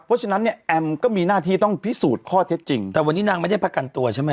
เพราะฉะนั้นเนี่ยแอมก็มีหน้าที่ต้องพิสูจน์ข้อเท็จจริงแต่วันนี้นางไม่ได้ประกันตัวใช่ไหม